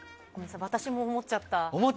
私も思っちゃった。